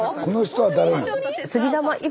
この人は誰なの？